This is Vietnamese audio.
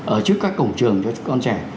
ở trước các cổng trường cho con trẻ